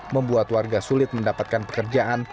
membuat warga sulit mendapatkan pekerjaan